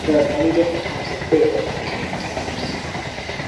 There are many different types of beer or keg taps.